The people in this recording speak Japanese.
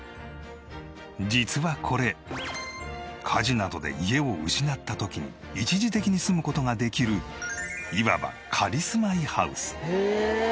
実はこれ火事などで家を失った時に一時的に住む事ができるいわば仮住まいハウス。